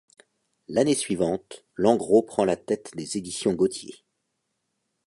L'année suivante, Languereau prend la tête des éditions Gautier.